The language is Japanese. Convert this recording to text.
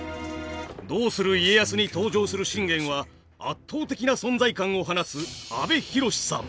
「どうする家康」に登場する信玄は圧倒的な存在感を放つ阿部寛さん。